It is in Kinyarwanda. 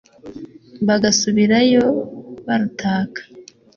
bagasubirayo barutaka